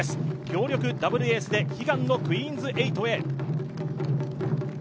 強力ダブルエースで悲願のクイーンズ８へ。